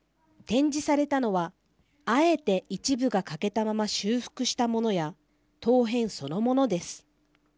展示されたのはあえて一部が欠けたまま修復したものや陶片そのものです。